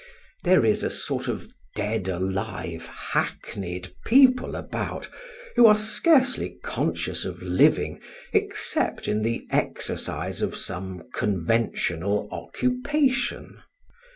There is a sort of dead alive, hackneyed people about, who are scarcely conscious of living except in the exercise of some conventional occupation.